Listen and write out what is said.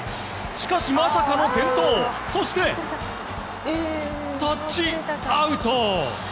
しかし、まさかの転倒そして、タッチアウト。